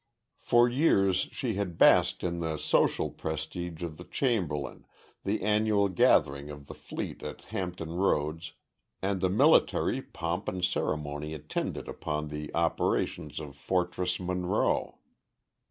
For years she had basked in the social prestige of the Chamberlin, the annual gathering of the Fleet at Hampton Roads and the military pomp and ceremony attendant upon the operations of Fortress Monroe.